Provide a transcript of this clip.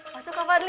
masuk kak farly